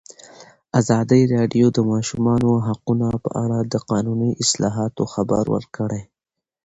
ازادي راډیو د د ماشومانو حقونه په اړه د قانوني اصلاحاتو خبر ورکړی.